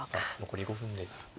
残り５分です。